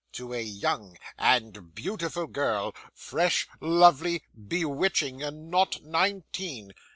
To a young and beautiful girl; fresh, lovely, bewitching, and not nineteen.